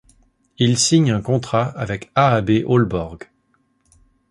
Il signe un contrat avec AaB Ålborg.